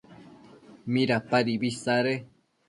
¿midapadibi isade?